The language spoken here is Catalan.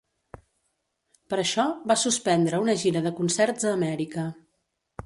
Per això, va suspendre una gira de concerts a Amèrica.